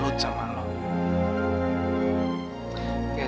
oke sekarang kita kembali ke rumah